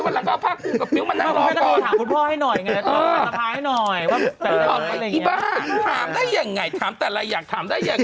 วันหลังก็ฟากโท